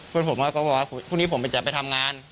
พวกมันก็บอกว่าพรุ่งนี้ผมจะไปทำงาน